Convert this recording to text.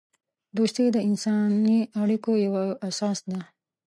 دوستی د انسانی اړیکو یوه اساس ده.